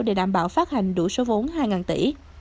để đảm bảo phát hành đủ số vốn hai tỷ